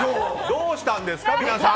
どうしたんですか、皆さん。